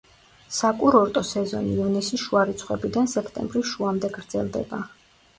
საკურორტო სეზონი ივნისის შუა რიცხვებიდან სექტემბრის შუამდე გრძელდება.